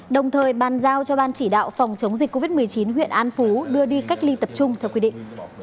đồng thời bàn giao cho ban chỉ đạo phòng chống dịch covid một mươi chín huyện an phú đưa đi cách ly tập trung theo quy định